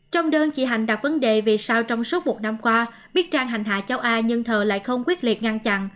trong đơn chị hạnh đặt vấn đề vì sao trong suốt một năm qua biết trang hành hạ cháu a nhưng thờ lại không quyết liệt ngăn chặn